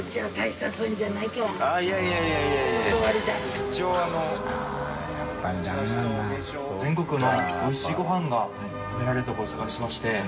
淵好織奪奸全国のおいしいご飯が食べられるところを探してまして。